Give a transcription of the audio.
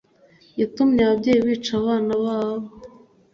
yatumye ababyeyi bica abana babo